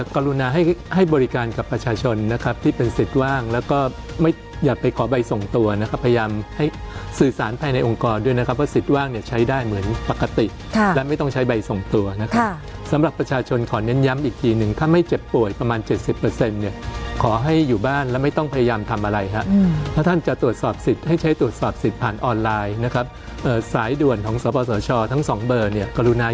กรุณาให้บริการกับประชาชนนะครับที่เป็นสิทธิ์ว่างแล้วก็ไม่อยากไปขอใบส่งตัวนะครับพยายามให้สื่อสารภายในองค์กรด้วยนะครับว่าสิทธิ์ว่างเนี่ยใช้ได้เหมือนปกติและไม่ต้องใช้ใบส่งตัวนะครับสำหรับประชาชนขอเน้นย้ำอีกทีหนึ่งถ้าไม่เจ็บป่วยประมาณเจ็ดสิบเปอร์เซ็นต์เนี่ยขอให้อยู่บ้านแล้วไม